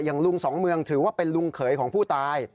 ลุงสองเมืองถือว่าเป็นลุงเขยของผู้ตาย